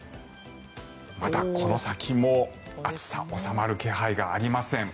まだこの先も暑さ、収まる気配がありません。